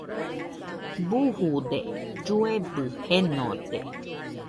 Bujude, lloebɨ jenode